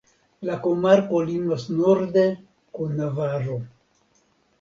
La komarko limas norde kun Navaro.